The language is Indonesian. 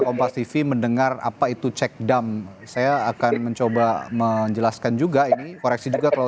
kompas tv mendengar apa itu cek dump saya akan mencoba menjelaskan juga ini koreksi juga kalau